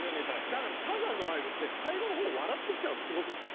だからサザンのライブって最後のほう笑ってきちゃうのすごすぎて。